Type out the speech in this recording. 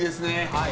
はい。